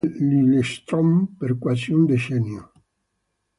Giocò poi nel Lillestrøm per quasi un decennio.